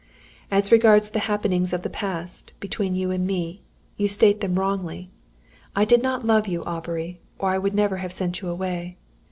"As regards the happenings of the past, between you and me you state them wrongly. I did not love you, Aubrey, or I would never have sent you away.